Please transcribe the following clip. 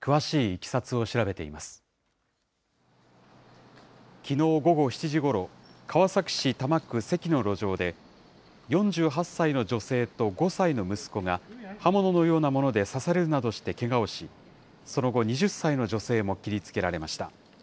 きのう午後７時ごろ、川崎市多摩区堰の路上で、４８歳の女性と５歳の息子が、刃物のようなもので刺されるなどしてけがをし、その後、２０歳の女性も切りつけられました。